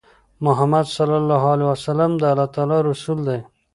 محمد ص د الله تعالی رسول دی.